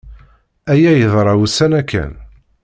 Aya yeḍra ussan-a kan.